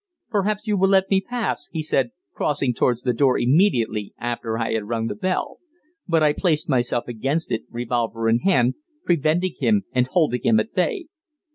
"Perhaps you will let me pass," he said, crossing towards the door immediately after I had rung the bell. But I placed myself against it, revolver in hand, preventing him and holding him at bay.